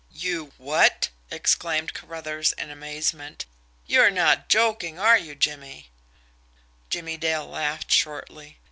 "You WHAT!" exclaimed Carruthers in amazement. "You're not joking, are you, Jimmie?" Jimmie Dale laughed shortly.